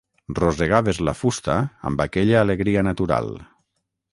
Rosegaves la fusta amb aquella alegria natural.